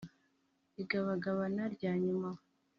igabagabana rya nyuma